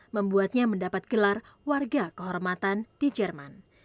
membuatnya mendapat gelar warga kehormatan di jerman